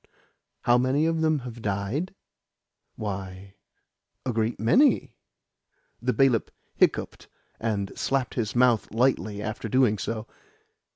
"How many of them have died? Why, a great many." The bailiff hiccoughed, and slapped his mouth lightly after doing so.